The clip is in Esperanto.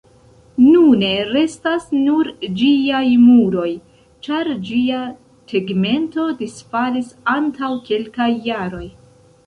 Nune restas nur ĝiaj muroj, ĉar ĝia tegmento disfalis antaŭ kelkaj jaroj.